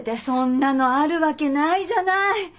そんなのあるわけないじゃない。